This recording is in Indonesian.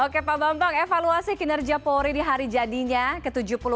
oke pak bambang evaluasi kinerja polri di hari jadinya ke tujuh puluh delapan